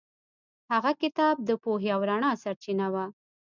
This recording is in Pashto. هغه کتاب د پوهې او رڼا سرچینه وه.